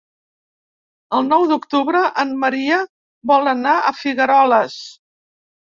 El nou d'octubre en Maria vol anar a Figueroles.